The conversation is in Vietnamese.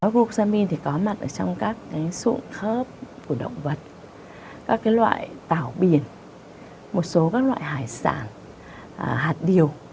glucosamine có mặt trong các sụn khớp của động vật các loại tàu biển một số các loại hải sản hạt điều